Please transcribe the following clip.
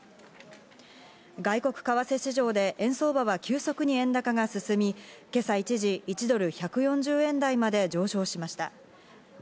外国為替市場で円相場は急速に円高が進み、今朝一時１ドル＝１４０円台まで上昇しました。